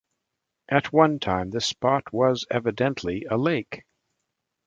At one time this spot was, evidently, a lake.